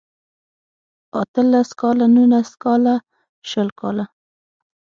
اته لس کاله نولس کاله شل کاله